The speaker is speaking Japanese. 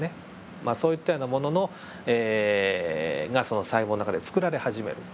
まあそういったようなものがその細胞の中で作られ始める。